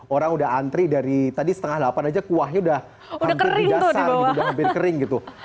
orang udah antri dari tadi setengah delapan aja kuahnya udah hampir kering gitu